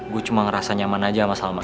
gue cuma ngerasa nyaman aja sama mas